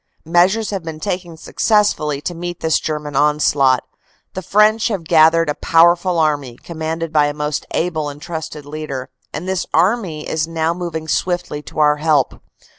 "Measures have been taken successfully to meet this Ger man onslaught. The French have gathered a powerful Army, commanded by a most able and trusted leader, and this Army is now moving swiftly to our help.